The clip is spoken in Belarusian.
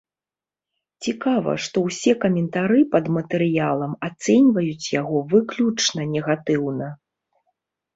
Цікава, што ўсе каментары пад матэрыялам ацэньваюць яго выключна негатыўна.